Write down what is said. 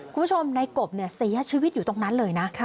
คุณผู้ชมในกบเสียชีวิตอยู่ตรงนั้นเลยนะ